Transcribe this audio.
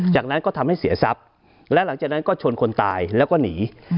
จากนั้นก็ทำให้เสียทรัพย์และหลังจากนั้นก็ชนคนตายแล้วก็หนี